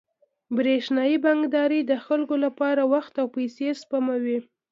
برېښنايي بانکداري د خلکو لپاره وخت او پیسې سپموي.